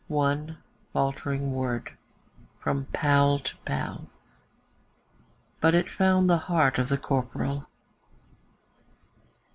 One faltering word from pal to pal, But it found the heart of the Corporal.